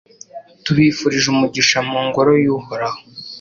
Tubifurije umugisha mu Ngoro y’Uhoraho